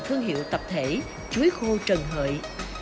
thương hiệu tập thể chuối khô trần hợi